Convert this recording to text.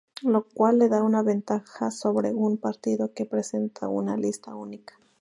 Lo cual le da una ventaja sobre un partido que presenta una lista única.